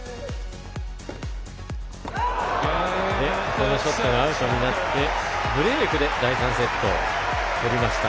このショットがアウトになってブレークで第３セット取りました。